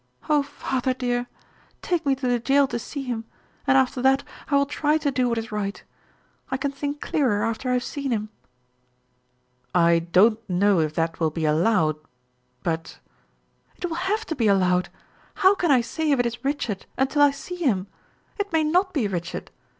"Oh, father, dear! Take me to the jail to see him, and after that I will try to do what is right. I can think clearer after I have seen him." "I don't know if that will be allowed but " "It will have to be allowed. How can I say if it is Richard until I see him. It may not be Richard.